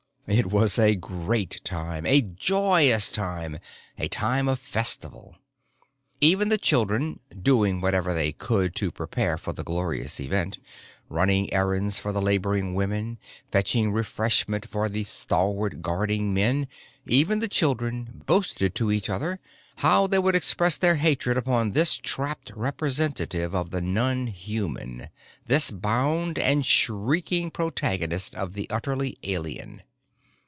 It was a great time, a joyous time, a time of festival. Even the children doing whatever they could to prepare for the glorious event, running errands for the laboring women, fetching refreshment for the stalwart, guarding men even the children boasted to each other of how they would express their hatred upon this trapped representative of the non human, this bound and shrieking protagonist of the utterly alien.